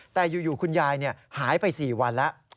แต่อยู่คุณยายหายไป๔วันแล้ว